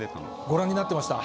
ご覧になってました？